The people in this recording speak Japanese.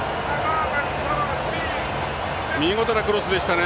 見事なクロスでしたね。